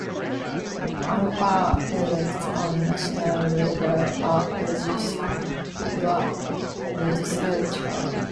Aruba elects on national level a legislature.